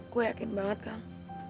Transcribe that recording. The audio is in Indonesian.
gue yakin banget kang